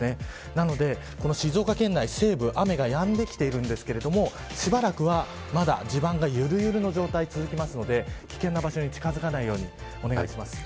なので静岡県内西部雨がやんできているんですがしばらくはまだ地盤がゆるゆるの状態が続いているので危険な場所に近づかないようにお願いします。